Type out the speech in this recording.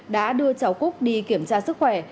đã đưa cháu cúc đi kiểm tra sức khỏe